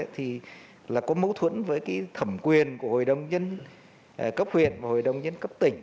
thì là có mâu thuẫn với cái thẩm quyền của hội đồng nhân cấp huyện và hội đồng nhân cấp tỉnh